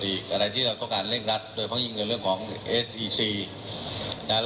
ภายใจลูกชายก่อสร้างรถแรงการก่อสร้างรถ